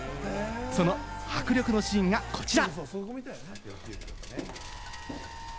その迫力のシーンがこちら。